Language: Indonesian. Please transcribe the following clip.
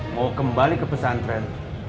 mau kembali ke pesantren